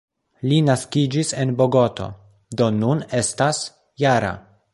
Li naskiĝis en Bogoto, do nun estas -jara.